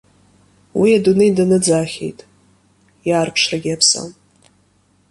Уи адунеи даныӡаахьеит, иаарԥшрагьы иаԥсам.